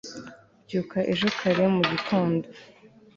byuka ejo kare mu gitondo